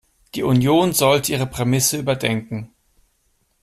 Die Union sollte ihre Prämisse überdenken.